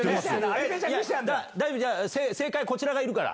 正解こちらがいるから。